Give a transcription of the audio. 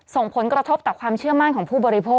ส่งผลกระทบต่อความเชื่อมั่นของผู้บริโภค